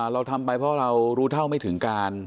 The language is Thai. เราทำไปเพราะเรารู้เท่าไม่ถึงการ